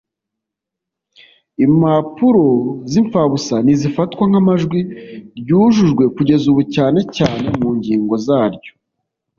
Impapuro z imfabusa ntizifatwa nk amajwi ryujujwe kugeza ubu cyane cyane mu ngingo zaryo